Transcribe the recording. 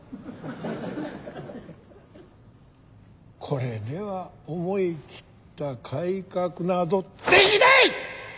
これでは思い切った改革などできない！